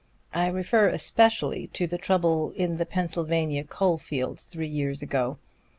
I refer especially to the trouble in the Pennsylvania coal fields, three years ago.